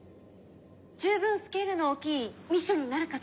十分スケールの大きいミッションになるかと。